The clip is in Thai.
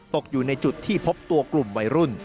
ตกอยู่ในจุดที่พบตัวกลุ่มวัยรุ่น